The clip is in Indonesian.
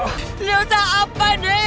nggak usah apa deh